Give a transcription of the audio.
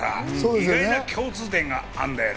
意外な共通点があんだよね。